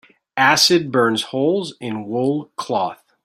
Acid burns holes in wool cloth.